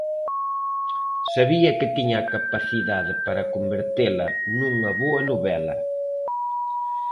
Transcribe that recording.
Sabía que tiña a capacidade para convertela nunha boa novela.